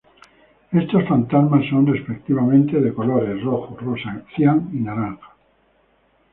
Estos fantasmas son, respectivamente, de colores rojo, rosa, cian y naranja.